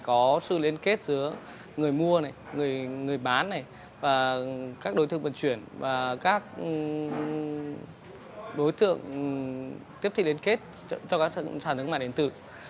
các đối tượng vận chuyển và các đối tượng tiếp thị liên kết cho các sản thương mạng điện tử